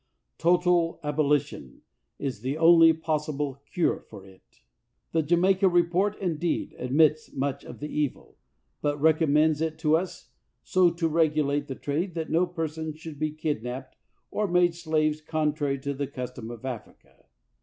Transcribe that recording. Total abolition is the only possible cure for it. The Jamaica report, indeed, admits much of the evil, but recommends it to us so to regulate the trade that no persons should be kidnapped or made slaves contrary to the custom of Africa.